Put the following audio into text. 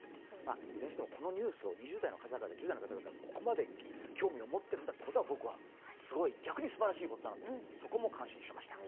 いずれにしてもこのニュースを２０代の方々がここまで興味を持っているんだということは、逆にすばらしいことだなと、そこも感心しました。